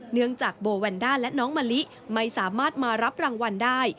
เนื่องจากโบแวนด้าและน้องมะลิไม่สามารถมารับรางวัลได้